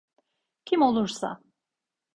Kim olursa.